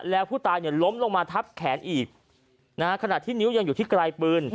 แล้วผู้ตายเนี่ยล้มลงมาทับแขนอีกนะฮะขณะที่นิ้วยังอยู่ที่ไกลปืน